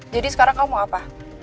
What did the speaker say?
jadi sekarang kamu mau apa